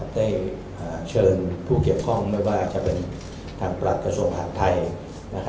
ได้เชิญผู้เกี่ยวข้องไม่ว่าจะเป็นทางประหลัดกระทรวงมหาดไทย